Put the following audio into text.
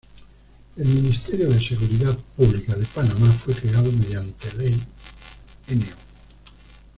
El Ministerio de Seguridad Pública de Panamá fue creado mediante Ley No.